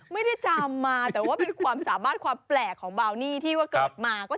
ไม่ได้จำมาแต่ว่าเป็นความสามารถความแปลกของบาวนี่ที่ว่าเกิดมาก็